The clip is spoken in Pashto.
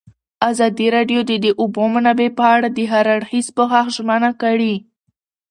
ازادي راډیو د د اوبو منابع په اړه د هر اړخیز پوښښ ژمنه کړې.